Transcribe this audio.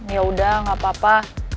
ya udah gak apa apa